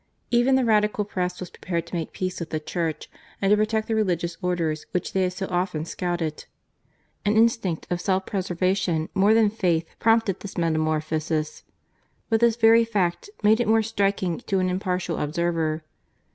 Even the Radical Press was prepared to make peace with the Church and to protect the religious orders which they had so often scouted. An instinct of 38 GARCIA MORENO. self preservation more than faith, prompted this metamorphosis, but this very fact made it more striking to an impartial observer.